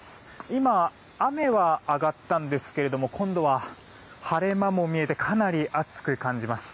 今、雨は上がったんですけれども今度は晴れ間も見えてかなり暑く感じます。